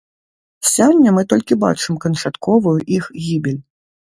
Сёння мы толькі бачым канчатковую іх гібель.